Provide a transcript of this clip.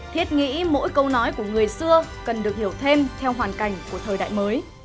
thiết nghĩ mỗi câu nói của người xưa cần được hiểu thêm theo hoàn cảnh của thời đại mới